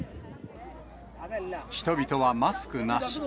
人々はマスクなし。